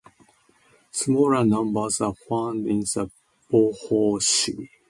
Smaller numbers are found in the Beaufort Sea.